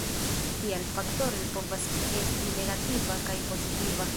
Tial, faktoroj povas esti negativa kaj pozitiva.